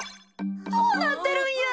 どうなってるんや？